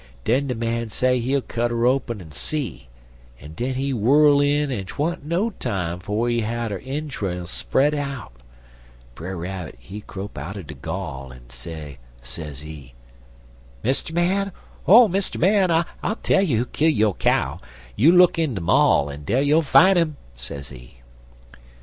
Den de man say he'll cut 'er open en see, en den he whirl in, en twan't no time 'fo' he had 'er intruls spread out. Brer Rabbit, he crope out'n de gall, en say, sezee: "'Mister Man! Oh, Mister Man! I'll tell you who kill yo' cow. You look in de maul, en dar you'll fine 'im,' sezee.